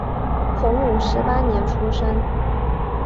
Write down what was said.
洪武十八年出生。